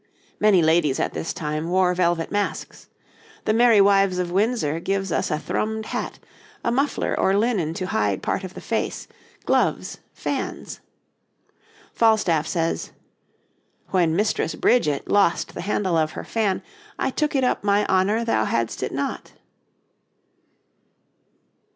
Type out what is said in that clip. Many ladies at this time wore velvet masks. 'The Merry Wives of Windsor' gives us a thrummed hat, a muffler or linen to hide part of the face, gloves, fans. Falstaff says: 'When Mistress Bridget lost the handle of her fan, I took it up my honour thou had'st it not.'